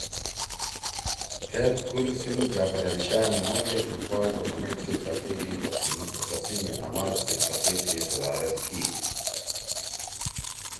تھید کُل سندھ جعفرعلی شاہ میموریل فٹ بال ٹورنمنٹ سی تقریب تقسیم انعامات سی تقریب می صدارت کی